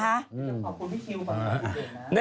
จะขอบคุณพี่ชิวก่อนข้อมูลเดิมนะ